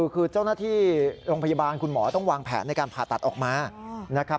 คือเจ้าหน้าที่โรงพยาบาลคุณหมอต้องวางแผนในการผ่าตัดออกมานะครับ